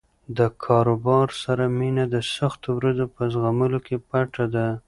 له کاروبار سره مینه د سختو ورځو په زغملو کې پټه ده.